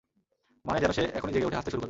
মানে, যেন সে এখনি জেগে উঠে হাসতে শুরু করবে।